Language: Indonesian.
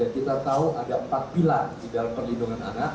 kita tahu ada empat pilar di dalam perlindungan anak